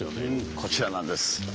こちらなんです。